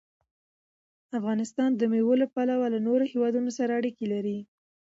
افغانستان د مېوو له پلوه له نورو هېوادونو سره اړیکې لري.